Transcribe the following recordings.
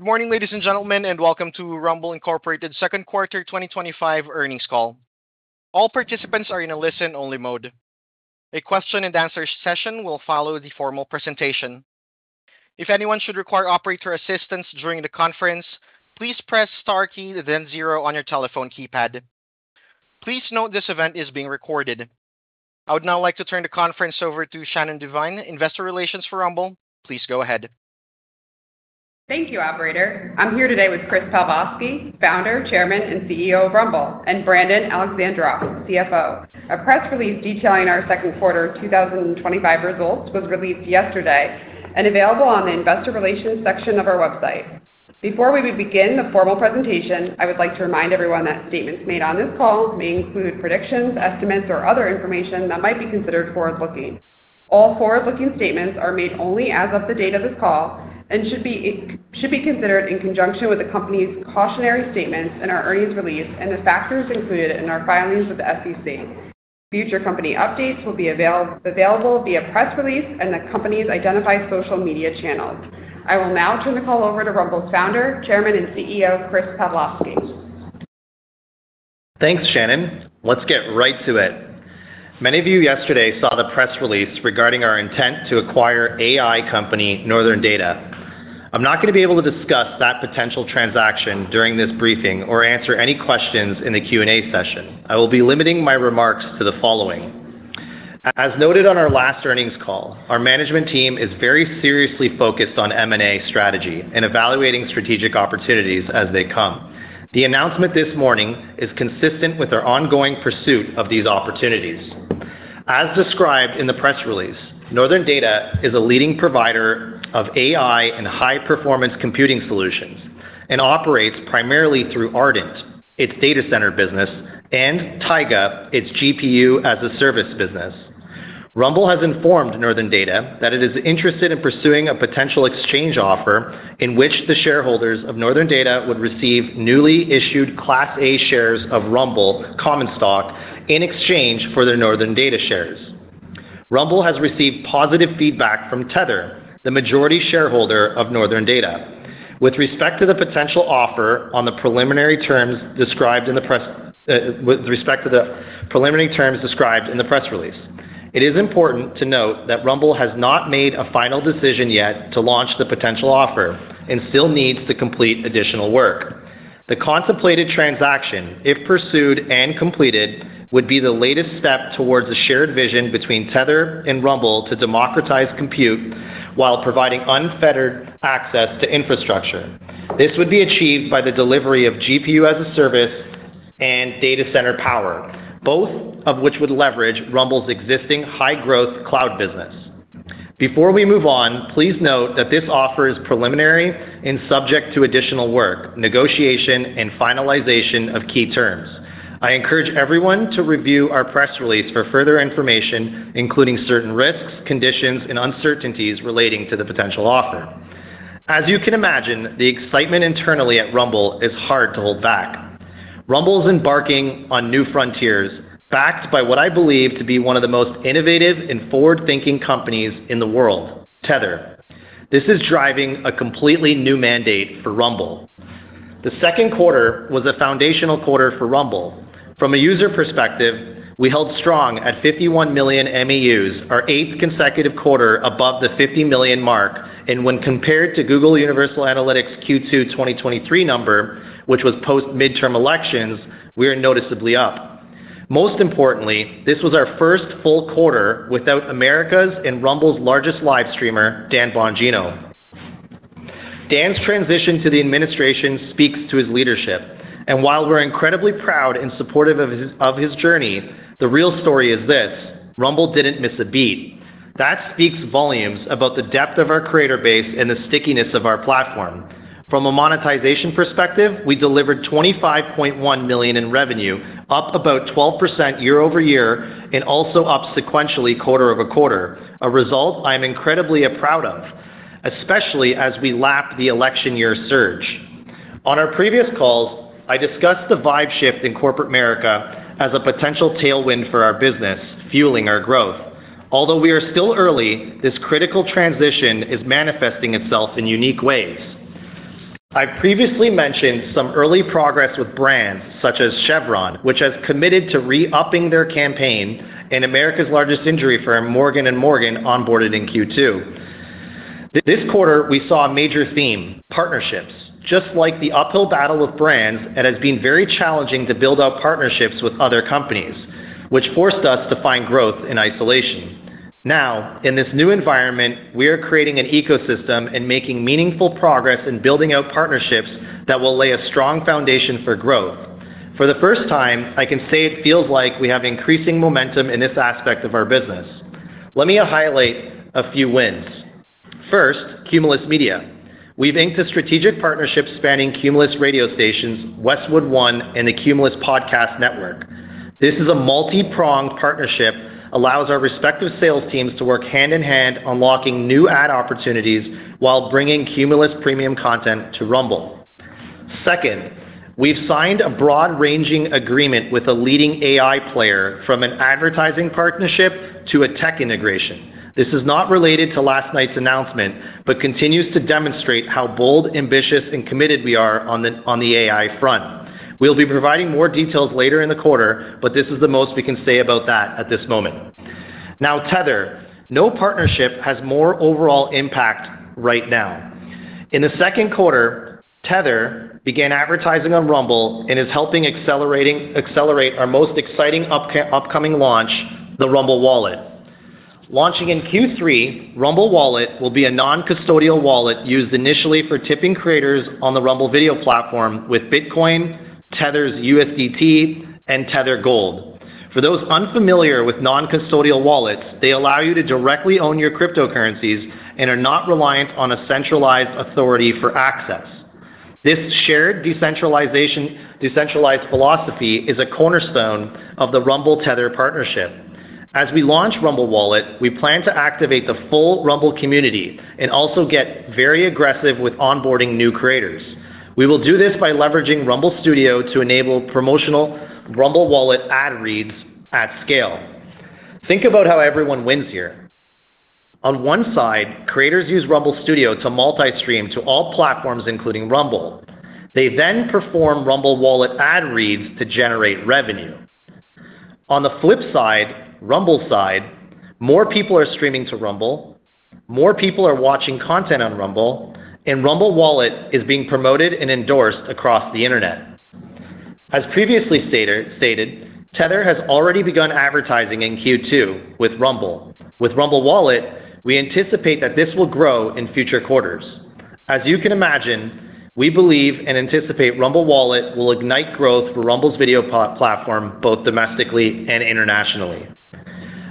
Good morning, ladies and gentlemen, and welcome to Rumble Inc Second Quarter 2025 Earnings Call. All participants are in a listen-only mode. A question and answer session will follow the formal presentation. If anyone should require operator assistance during the conference, please press the star key, then zero on your telephone keypad. Please note this event is being recorded. I would now like to turn the conference over to Shannon Devine, Head of Investor Relations for Rumble. Please go ahead. Thank you, operator. I'm here today with Chris Pavlovski, Founder, Chairman, and CEO of Rumble and Brandon Alexandroff, CFO. A press release detailing our second quarter 2025 results was released yesterday and is available on the investor relations section of our website. Before we begin the formal presentation, I would like to remind everyone that statements made on this call may include predictions, estimates, or other information that might be considered forward-looking. All forward-looking statements are made only as of the date of this call and should be considered in conjunction with the company's cautionary statements in our earnings release and the factors included in our filings with the SEC. Future company updates will be available via press release and the company's identified social media channels. I will now turn the call over to Rumble's Founder, Chairman, and CEO, Chris Pavlovski. Thanks, Shannon. Let's get right to it. Many of you yesterday saw the press release regarding our intent to acquire AI company Northern Data. I'm not going to be able to discuss that potential transaction during this briefing or answer any questions in the Q&A session. I will be limiting my remarks to the following. As noted on our last earnings call, our management team is very seriously focused on M&A strategy and evaluating strategic opportunities as they come. The announcement this morning is consistent with our ongoing pursuit of these opportunities. As described in the press release, Northern Data is a leading provider of AI and high-performance computing solutions and operates primarily through Ardent, its data center business, and TIGA, its GPU as a service business. Rumble has informed Northern Data that it is interested in pursuing a potential exchange offer in which the shareholders of Northern Data would receive newly issued Class A shares of Rumble Common Stock in exchange for their Northern Data shares. Rumble has received positive feedback from Tether, the majority shareholder of Northern Data, with respect to the potential offer on the preliminary terms described in the press release. It is important to note that Rumble has not made a final decision yet to launch the potential offer and still needs to complete additional work. The contemplated transaction, if pursued and completed, would be the latest step towards a shared vision between Tether and Rumble to democratize compute while providing unfettered access to infrastructure. This would be achieved by the delivery of GPU as a service and data center power, both of which would leverage Rumble's existing high-growth cloud business. Before we move on, please note that this offer is preliminary and subject to additional work, negotiation, and finalization of key terms. I encourage everyone to review our press release for further information, including certain risks, conditions, and uncertainties relating to the potential offer. As you can imagine, the excitement internally at Rumble is hard to hold back. Rumble is embarking on new frontiers, backed by what I believe to be one of the most innovative and forward-thinking companies in the world, Tether. This is driving a completely new mandate for Rumble. The second quarter was a foundational quarter for Rumble. From a user perspective, we held strong at 51 million MEUs, our eighth consecutive quarter above the 50 million mark, and when compared to Google Universal Analytics Q2 2023 number, which was post midterm elections, we are noticeably up. Most importantly, this was our first full quarter without America's and Rumble's largest live streamer, Dan Bongino. Dan's transition to the administration speaks to his leadership, and while we're incredibly proud and supportive of his journey, the real story is this: Rumble didn't miss a beat. That speaks volumes about the depth of our creator base and the stickiness of our platform. From a monetization perspective, we delivered $25.1 million in revenue, up about 12% year-over-year, and also up sequentially quarter over quarter, a result I'm incredibly proud of, especially as we lap the election year's surge. On our previous calls, I discussed the vibe shift in corporate America as a potential tailwind for our business, fueling our growth. Although we are still early, this critical transition is manifesting itself in unique ways. I've previously mentioned some early progress with brands such as Chevron, which has committed to re-upping their campaign, and America's largest injury firm, Morgan & Morgan, onboarded in Q2. This quarter, we saw a major theme: partnerships. Just like the uphill battle of brands, it has been very challenging to build our partnerships with other companies, which forced us to find growth in isolation. Now, in this new environment, we are creating an ecosystem and making meaningful progress in building out partnerships that will lay a strong foundation for growth. For the first time, I can say it feels like we have increasing momentum in this aspect of our business. Let me highlight a few wins. First, Cumulus Media. We've inked a strategic partnership spanning Cumulus radio stations, Westwood One, and the Cumulus Podcast Network. This is a multipronged partnership that allows our respective sales teams to work hand in hand, unlocking new ad opportunities while bringing Cumulus premium content to Rumble. Second, we've signed a broad-ranging agreement with a leading AI player, from an advertising partnership to a tech integration. This is not related to last night's announcement, but continues to demonstrate how bold, ambitious, and committed we are on the AI front. We'll be providing more details later in the quarter, but this is the most we can say about that at this moment. Now, Tether, no partnership has more overall impact right now. In the second quarter, Tether began advertising on Rumble and is helping accelerate our most exciting upcoming launch, the Rumble Wallet. Launching in Q3, Rumble Wallet will be a non-custodial wallet used initially for tipping creators on the Rumble Video platform with Bitcoin, Tether's USDT, and Tether Gold. For those unfamiliar with non-custodial wallets, they allow you to directly own your cryptocurrencies and are not reliant on a centralized authority for access. This shared decentralized philosophy is a cornerstone of the Rumble-Tether partnership. As we launch Rumble Wallet, we plan to activate the full Rumble community and also get very aggressive with onboarding new creators. We will do this by leveraging Rumble Studio to enable promotional Rumble Wallet ad reads at scale. Think about how everyone wins here. On one side, creators use Rumble Studio to multistream to all platforms, including Rumble. They then perform Rumble Wallet ad reads to generate revenue. On the flip side, Rumble side, more people are streaming to Rumble, more people are watching content on Rumble, and Rumble Wallet is being promoted and endorsed across the internet. As previously stated, Tether has already begun advertising in Q2 with Rumble. With Rumble Wallet, we anticipate that this will grow in future quarters. As you can imagine, we believe and anticipate Rumble Wallet will ignite growth for Rumble's video platform, both domestically and internationally.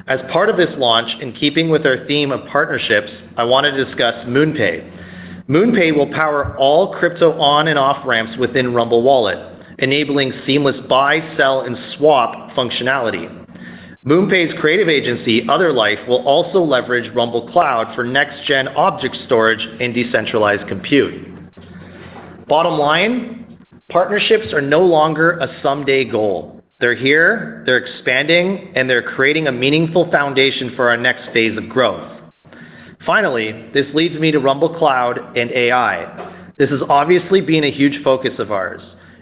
As part of this launch, in keeping with our theme of partnerships, I want to discuss MoonPay. MoonPay will power all crypto on and off ramps within Rumble Wallet, enabling seamless buy, sell, and swap functionality. MoonPay’s creative agency, OtherLife, will also leverage Rumble Cloud for next-gen object storage and decentralized compute. Bottom line, partnerships are no longer a someday goal. They're here, they're expanding, and they're creating a meaningful foundation for our next phase of growth. Finally, this leads me to Rumble Cloud and AI. This has obviously been a huge focus of ours.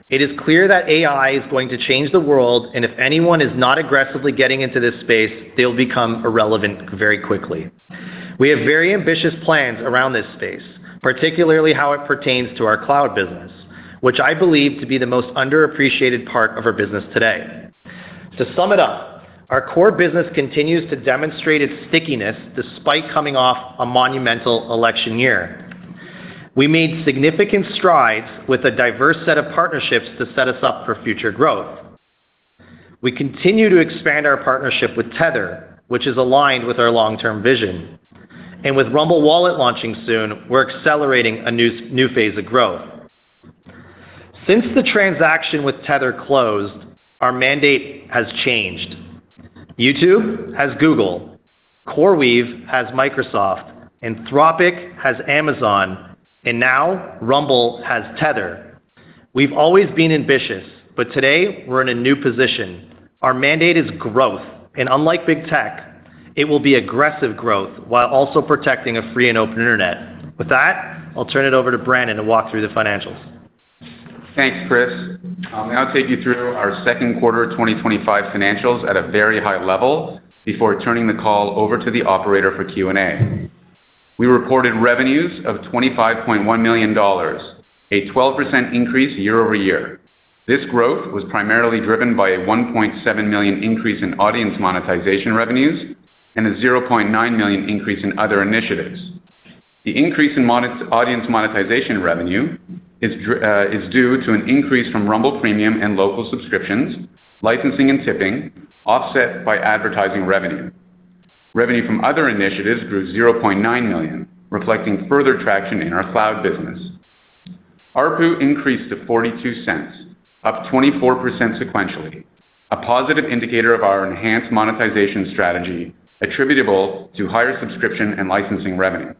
It is clear that AI is going to change the world, and if anyone is not aggressively getting into this space, they'll become irrelevant very quickly. We have very ambitious plans around this space, particularly how it pertains to our cloud business, which I believe to be the most underappreciated part of our business today. To sum it up, our core business continues to demonstrate its stickiness despite coming off a monumental election year. We made significant strides with a diverse set of partnerships to set us up for future growth. We continue to expand our partnership with Tether, which is aligned with our long-term vision. With Rumble Wallet launching soon, we're accelerating a new phase of growth. Since the transaction with Tether closed, our mandate has changed. YouTube has Google, CoreWeave has Microsoft, Entropic has Amazon, and now Rumble has Tether. We've always been ambitious, but today we're in a new position. Our mandate is growth, and unlike big tech, it will be aggressive growth while also protecting a free and open internet. With that, I'll turn it over to Brandon to walk through the financials. Thanks, Chris. I'll now take you through our second quarter 2025 financials at a very high level before turning the call over to the operator for Q&A. We reported revenues of $25.1 million, a 12% increase year-over-year. This growth was primarily driven by a $1.7 million increase in audience monetization revenues and a $0.9 million increase in other initiatives. The increase in audience monetization revenue is due to an increase from Rumble Premium and local subscriptions, licensing, and tipping, offset by advertising revenue. Revenue from other initiatives grew $0.9 million, reflecting further traction in our cloud business. ARPU increased to $0.42, up 24% sequentially, a positive indicator of our enhanced monetization strategy attributable to higher subscription and licensing revenue.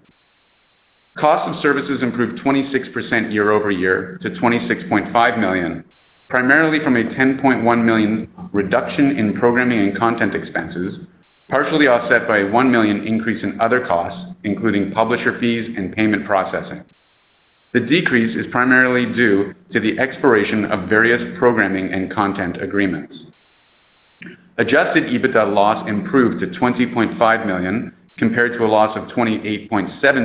Cost of services improved 26% year-over-year to $26.5 million, primarily from a $10.1 million reduction in programming and content expenses, partially offset by a $1 million increase in other costs, including publisher fees and payment processing. The decrease is primarily due to the expiration of various programming and content agreements. Adjusted EBITDA loss improved to $20.5 million compared to a loss of $28.7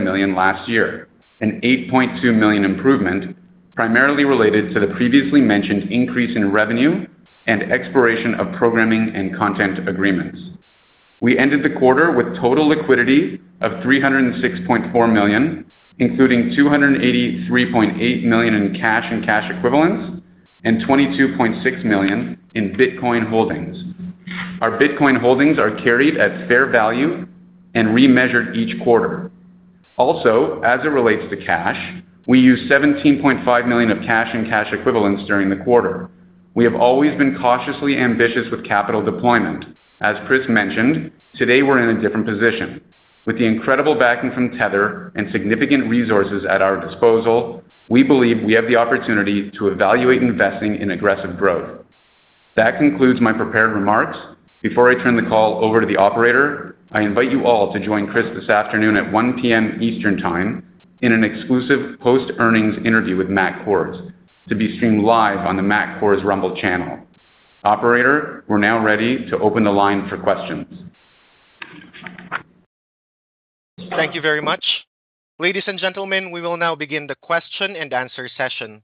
million last year, an $8.2 million improvement primarily related to the previously mentioned increase in revenue and expiration of programming and content agreements. We ended the quarter with total liquidity of $306.4 million, including $283.8 million in cash and cash equivalents and $22.6 million in Bitcoin holdings. Our Bitcoin holdings are carried at fair value and remeasured each quarter. Also, as it relates to cash, we used $17.5 million of cash and cash equivalents during the quarter. We have always been cautiously ambitious with capital deployment. As Chris mentioned, today we're in a different position. With the incredible backing from Tether and significant resources at our disposal, we believe we have the opportunity to evaluate investing in aggressive growth. That concludes my prepared remarks. Before I turn the call over to the operator, I invite you all to join Chris this afternoon at 1:00 P.M. Eastern Time in an exclusive post-earnings interview with Matt Kors to be streamed live on the Matt Kors Rumble channel. Operator, we're now ready to open the line for questions. Thank you very much. Ladies and gentlemen, we will now begin the question and answer session.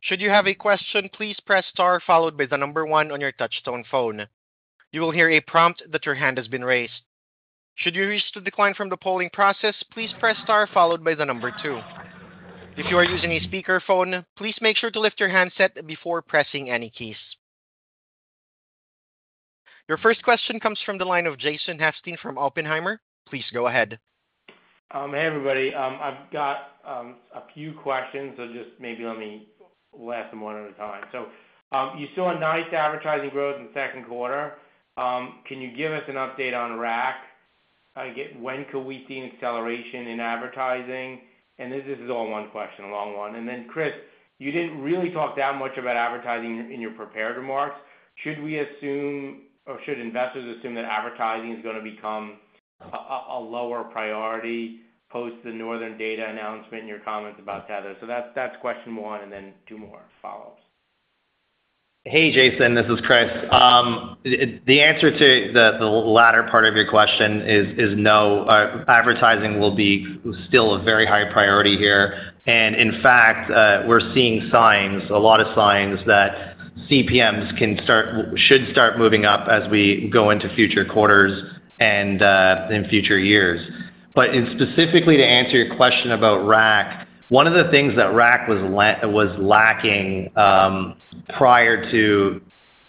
Should you have a question, please press star followed by the number one on your touch-tone phone. You will hear a prompt that your hand has been raised. Should you wish to decline from the polling process, please press star followed by the number two. If you are using a speaker phone, please make sure to lift your handset before pressing any keys. Your first question comes from the line of Jason Helfstein from Oppenheimer. Please go ahead. Hey everybody, I've got a few questions, so just maybe let me list them one at a time. You saw nice advertising growth in the second quarter. Can you give us an update on Rumble Ads Center? I get why you see acceleration in advertising. This is all one question, a long one. Chris, you didn't really talk that much about advertising in your prepared remarks. Should we assume, or should investors assume, that advertising is going to become a lower priority post the Northern Data announcement and your comments about Tether? That's question one, and then two more follow. Hey Jason, this is Chris. The answer to the latter part of your question is no. Advertising will be still a very high priority here. In fact, we're seeing signs, a lot of signs that CPMs can start, should start moving up as we go into future quarters and in future years. Specifically to answer your question about RAC, one of the things that RAC was lacking prior to,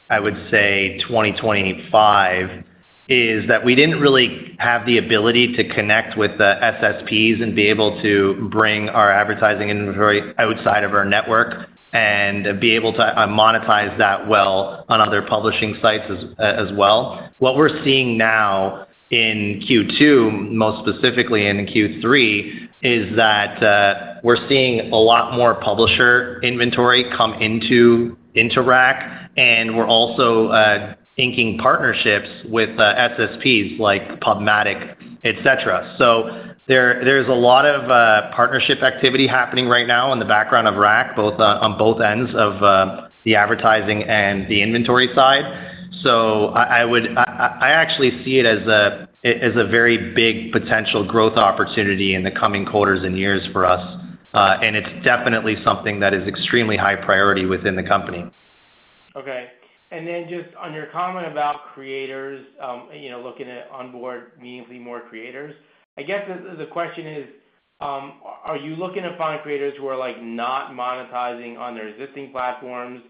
I would say, 2025 is that we didn't really have the ability to connect with the SSPs and be able to bring our advertising inventory outside of our network and be able to monetize that well on other publishing sites as well. What we're seeing now in Q2, most specifically in Q3, is that we're seeing a lot more publisher inventory come into RAC, and we're also inking partnerships with SSPs like PubMatic, etc. There's a lot of partnership activity happening right now in the background of RAC, both on both ends of the advertising and the inventory side. I actually see it as a very big potential growth opportunity in the coming quarters and years for us. It's definitely something that is extremely high priority within the company. Okay. On your comment about creators, looking to onboard meaningfully more creators, the question is, are you looking to find creators who are not monetizing on their existing platforms,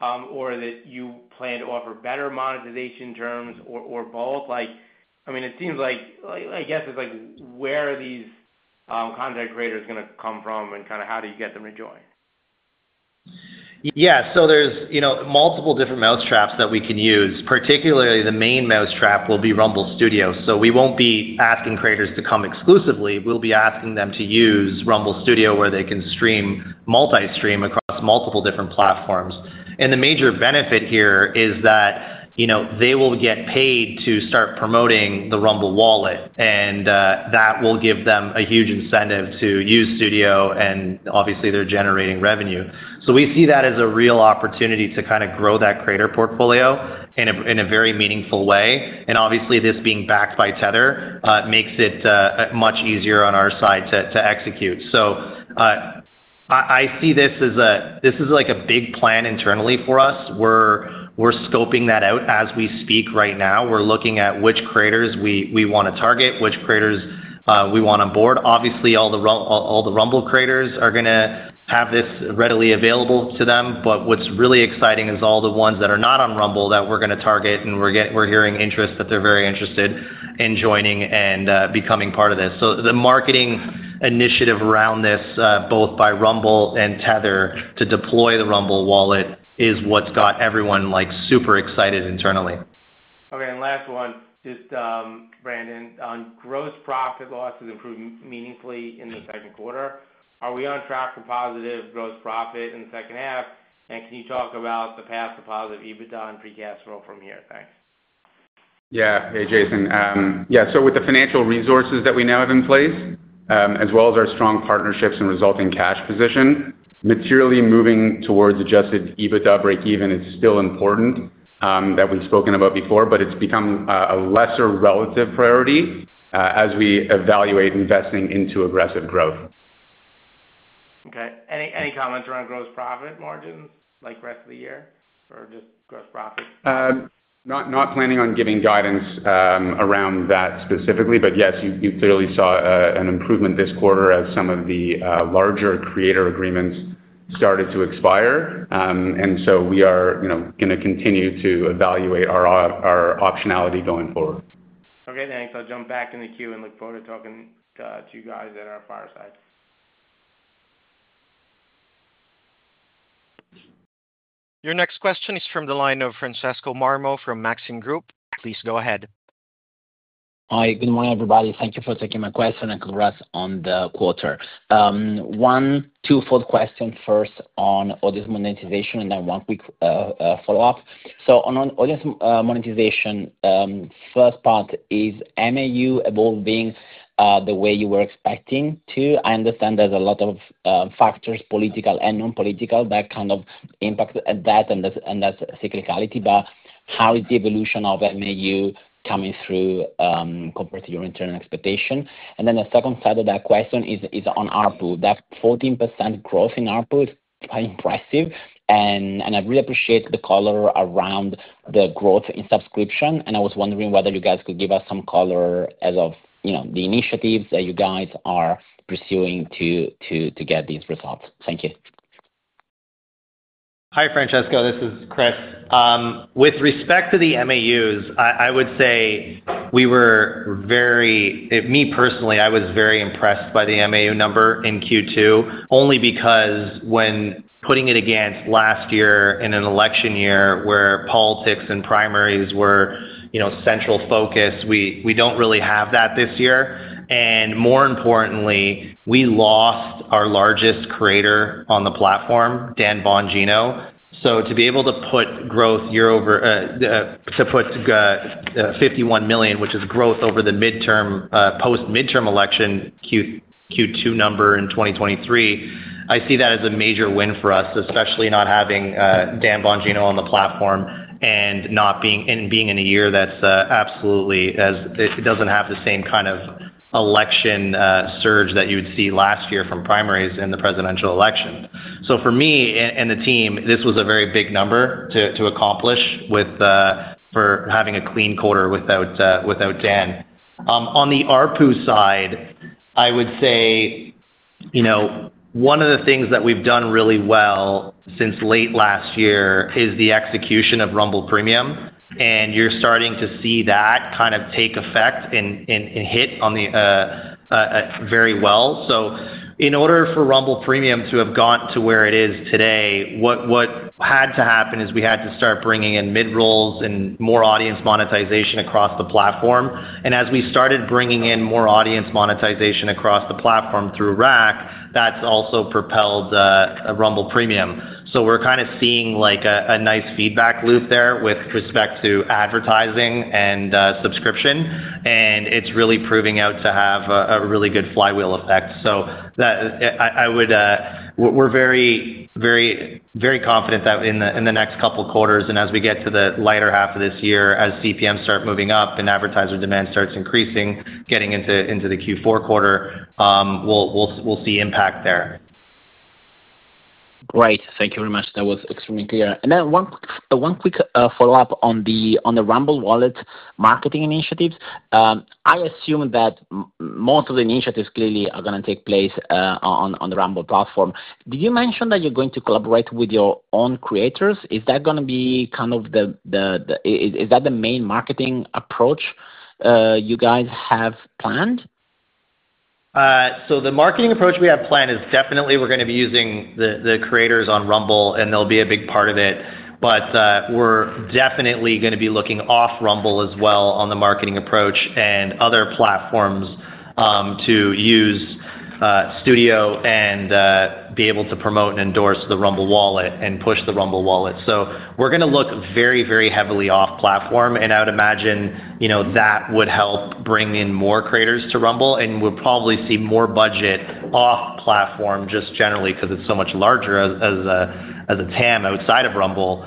or that you plan to offer better monetization terms, or both? It seems like, where are these content creators going to come from, and how do you get them to join? Yeah, so there's multiple different mousetraps that we can use. Particularly, the main mousetrap will be Rumble Studio. We won't be asking creators to come exclusively; we'll be asking them to use Rumble Studio, where they can stream, multi-stream across multiple different platforms. The major benefit here is that they will get paid to start promoting the Rumble Wallet, and that will give them a huge incentive to use Studio, and obviously they're generating revenue. We see that as a real opportunity to kind of grow that creator portfolio in a very meaningful way. Obviously, this being backed by Tether makes it much easier on our side to execute. I see this as a big plan internally for us. We're scoping that out as we speak right now. We're looking at which creators we want to target, which creators we want on board. Obviously, all the Rumble creators are going to have this readily available to them. What's really exciting is all the ones that are not on Rumble that we're going to target, and we're hearing interest that they're very interested in joining and becoming part of this. The marketing initiative around this, both by Rumble and Tether, to deploy the Rumble Wallet, is what's got everyone like super excited internally. Okay, and last one, just Brandon, on gross profit losses improved meaningfully in the second quarter. Are we on track for positive gross profit in the second half? Can you talk about the past deposit of EBITDA and pre-cash flow from here? Thanks. Yeah, hey Jason. With the financial resources that we now have in place, as well as our strong partnerships and resulting cash position, materially moving towards adjusted EBITDA breakeven is still important that we've spoken about before, but it's become a lesser relative priority as we evaluate investing into aggressive growth. Okay, any comments around gross profit margins like the rest of the year for just gross profits? Not planning on giving guidance around that specifically, but yes, you clearly saw an improvement this quarter as some of the larger creator agreements started to expire. We are, you know, going to continue to evaluate our optionality going forward. Okay, thanks. I'll jump back in the queue and look forward to talking to you guys at our fireside. Your next question is from the line of Francesco Marmo from Maxim Group. Please go ahead. Hi, good morning everybody. Thank you for taking my question and congrats on the quarter. One two-fold question, first on audience monetization and then one quick follow-up. On audience monetization, first part is MAU evolving the way you were expecting to? I understand there's a lot of factors, political and non-political, that kind of impact that and that cyclicality, but how is the evolution of MAU coming through compared to your internal expectation? The second side of that question is on ARPU. That 14% growth in ARPU is quite impressive, and I really appreciate the color around the growth in subscription, and I was wondering whether you guys could give us some color as of, you know, the initiatives that you guys are pursuing to get these results. Thank you. Hi Francesco, this is Chris. With respect to the MAUs, I would say we were very, me personally, I was very impressed by the MAU number in Q2, only because when putting it against last year in an election year where politics and primaries were central focus, we don't really have that this year. More importantly, we lost our largest creator on the platform, Dan Bongino. To be able to put growth year over, to put 51 million, which is growth over the midterm, post-midterm election Q2 number in 2023, I see that as a major win for us, especially not having Dan Bongino on the platform and not being in a year that doesn't have the same kind of election surge that you would see last year from primaries and the presidential elections. For me and the team, this was a very big number to accomplish with having a clean quarter without Dan. On the ARPU side, I would say one of the things that we've done really well since late last year is the execution of Rumble Premium, and you're starting to see that kind of take effect and hit on the very well. In order for Rumble Premium to have gotten to where it is today, what had to happen is we had to start bringing in mid-rolls and more audience monetization across the platform. As we started bringing in more audience monetization across the platform through RAC, that's also propelled Rumble Premium. We're kind of seeing a nice feedback loop there with respect to advertising and subscription, and it's really proving out to have a really good flywheel effect. We're very, very, very confident that in the next couple of quarters, and as we get to the lighter half of this year, as CPMs start moving up and advertiser demand starts increasing, getting into the Q4 quarter, we'll see impact there. Great, thank you very much. That was extremely clear. One quick follow-up on the Rumble Wallet marketing initiatives. I assume that most of the initiatives clearly are going to take place on the Rumble platform. Did you mention that you're going to collaborate with your own creators? Is that going to be the main marketing approach you guys have planned? The marketing approach we have planned is definitely we're going to be using the creators on Rumble, and they'll be a big part of it. We're definitely going to be looking off Rumble as well on the marketing approach and other platforms to use Studio and be able to promote and endorse the Rumble Wallet and push the Rumble Wallet. We're going to look very, very heavily off platform, and I would imagine, you know, that would help bring in more creators to Rumble, and we'll probably see more budget off platform just generally because it's so much larger as a TAM outside of Rumble.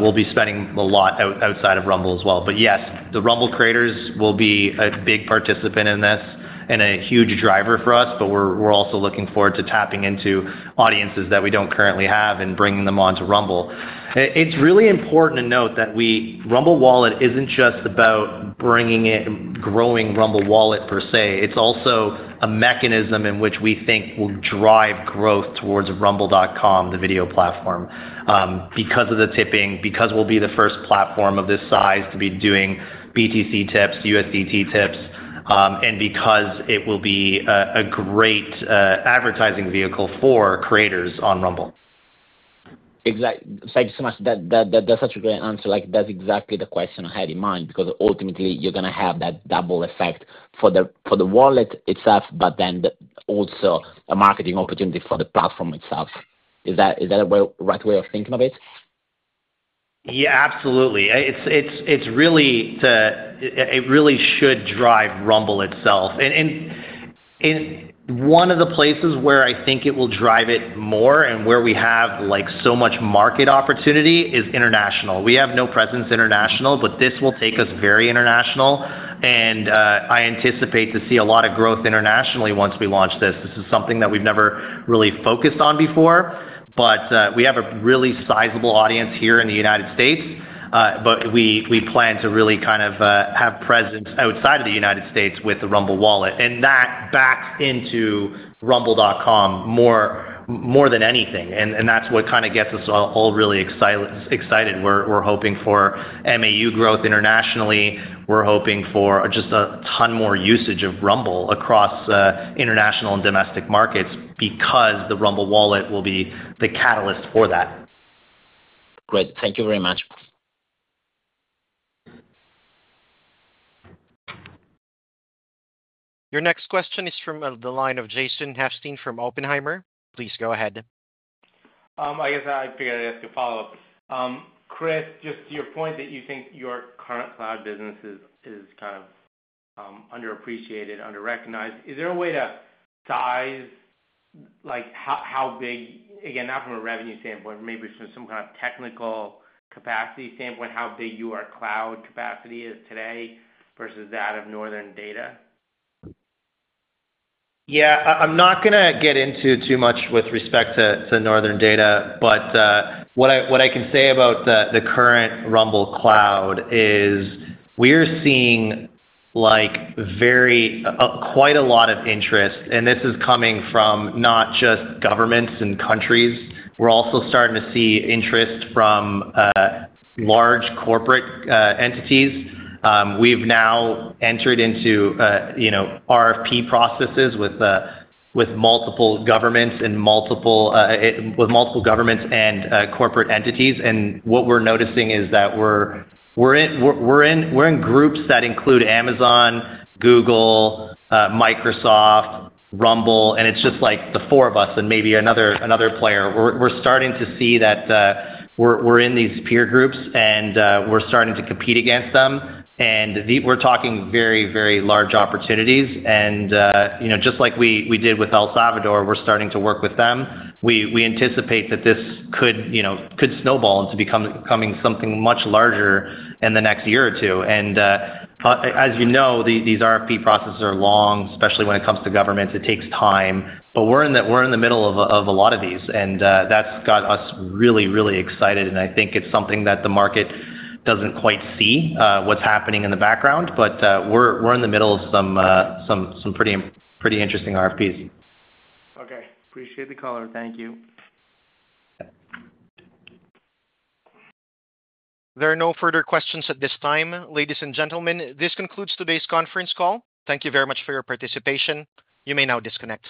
We'll be spending a lot outside of Rumble as well. Yes, the Rumble creators will be a big participant in this and a huge driver for us, but we're also looking forward to tapping into audiences that we don't currently have and bringing them onto Rumble. It's really important to note that Rumble Wallet isn't just about bringing it, growing Rumble Wallet per se. It's also a mechanism in which we think will drive growth towards Rumble.com, the video platform, because of the tipping, because we'll be the first platform of this size to be doing BTC tips, USDT tips, and because it will be a great advertising vehicle for creators on Rumble. Exactly. Thank you so much. That's such a great answer. That's exactly the question I had in mind because ultimately you're going to have that double effect for the wallet itself, but then also a marketing opportunity for the platform itself. Is that a right way of thinking of it? Yeah, absolutely. It really should drive Rumble Inc. itself. One of the places where I think it will drive it more and where we have so much market opportunity is international. We have no presence international, but this will take us very international. I anticipate to see a lot of growth internationally once we launch this. This is something that we've never really focused on before, but we have a really sizable audience here in the United States. We plan to really kind of have presence outside of the United States with the Rumble Wallet. That backed into Rumble.com more than anything. That's what kind of gets us all really excited. We're hoping for MAU growth internationally. We're hoping for just a ton more usage of Rumble Inc. across international and domestic markets because the Rumble Wallet will be the catalyst for that. Great. Thank you very much. Your next question is from the line of Jason Helfstein from Oppenheimer. Please go ahead. I guess I have to follow up. Chris, just to your point that you think your current cloud business is kind of underappreciated, underrecognized, is there a way to size like how big, again, not from a revenue standpoint, maybe from some kind of technical capacity standpoint, how big your cloud capacity is today versus that of Northern Data? Yeah, I'm not going to get into too much with respect to Northern Data, but what I can say about the current Rumble Cloud is we're seeing quite a lot of interest, and this is coming from not just governments and countries. We're also starting to see interest from large corporate entities. We've now entered into RFP processes with multiple governments and corporate entities. What we're noticing is that we're in groups that include Amazon, Google, Microsoft, Rumble, and it's just the four of us and maybe another player. We're starting to see that we're in these peer groups and we're starting to compete against them. We're talking very, very large opportunities. Just like we did with El Salvador, we're starting to work with them. We anticipate that this could snowball into becoming something much larger in the next year or two. As you know, these RFP processes are long, especially when it comes to government. It takes time, but we're in the middle of a lot of these, and that's got us really, really excited. I think it's something that the market doesn't quite see what's happening in the background, but we're in the middle of some pretty interesting RFPs. Okay, appreciate the caller. Thank you. There are no further questions at this time. Ladies and gentlemen, this concludes today's conference call. Thank you very much for your participation. You may now disconnect.